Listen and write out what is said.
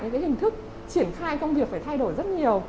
cái hình thức triển khai công việc phải thay đổi rất nhiều